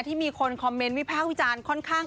ที่มีคนคอมเมนต์วิพากษ์วิจารณ์ค่อนข้าง